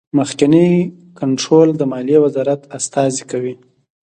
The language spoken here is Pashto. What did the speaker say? مخکینی کنټرول د مالیې وزارت استازی کوي.